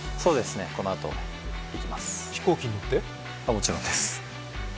もちろんです。